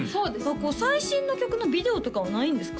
最新の曲のビデオとかはないんですか？